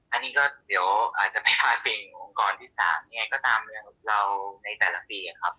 อันนี้ก็เดี๋ยวอาจจะไม่พาเก่งองค์กรที่๓ยังไงก็ตามเราในแต่ละปีครับ